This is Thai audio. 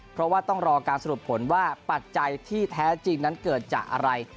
เพราะว่าต้องรอการสรุปผลว่าปัจจัยที่แท้จริงนั้นเกิดจากอะไร